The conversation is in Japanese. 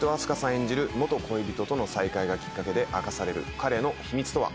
演じる元恋人との再会がきっかけで明かされる彼の秘密とは？